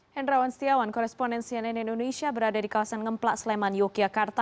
hendrawan setiawan koresponen cnn indonesia berada di kawasan ngeplak sleman yogyakarta